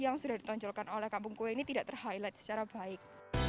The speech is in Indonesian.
yang sudah ditonjolkan oleh kampung kue ini tidak ter highlight secara baik